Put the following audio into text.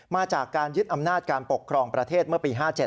มาจากการยึดอำนาจการปกครองประเทศเมื่อปี๕๗